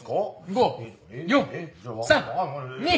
５４３２１。